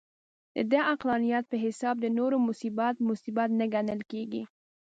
د دې عقلانیت په حساب د نورو مصیبت، مصیبت نه ګڼل کېږي.